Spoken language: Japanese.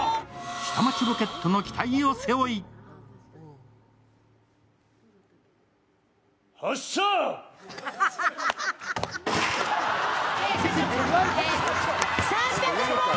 「下町ロケット」の期待を背負い社長！